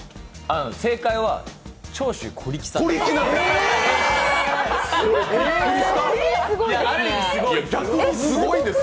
正解は長州小力さんです。